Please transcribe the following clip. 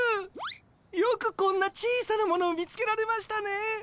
よくこんな小さなものを見つけられましたね！